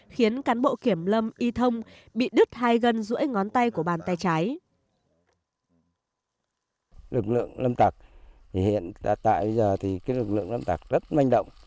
khiến cán bộ kiểm lâm y thông bị đứt hai gân giữa ngón tay của bàn tay trái